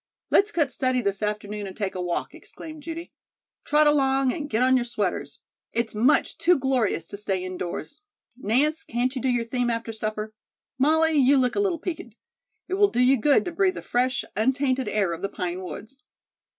"Let's cut study this afternoon and take a walk," exclaimed Judy. "Trot along and get on your sweaters. It's much too glorious to stay indoors. Nance, can't you do your theme after supper? Molly, you look a little peaked. It will do you good to breathe the fresh, untainted air of the pine woods."